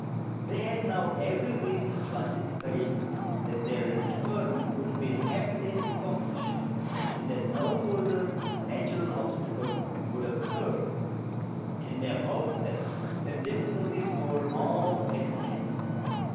They had now ever}' reason to anticipate that their return would be happily accomplished, and that no further natural obstacle would occur, and they hoped that their difficulties were all at an end.